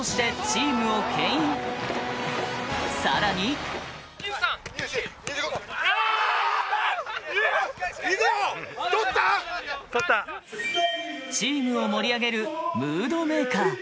２５！チームを盛り上げるムードメーカー。